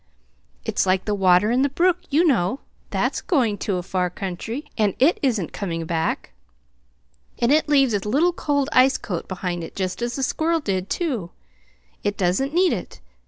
"It's like the water in the brook, you know; THAT'S going to a far country, and it isn't coming back. And it leaves its little cold ice coat behind it just as the squirrel did, too. It does n't need it.